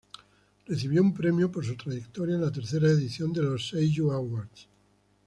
Recibió un premio por su trayectoria en la tercera edición de los Seiyū Awards.